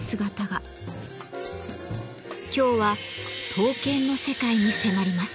今日は刀剣の世界に迫ります。